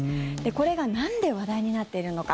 これがなんで話題になっているのか。